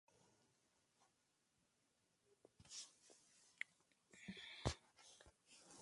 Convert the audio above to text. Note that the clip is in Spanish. Fue disco de oro y doble platino.